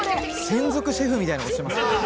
専属シェフみたいな事してますね。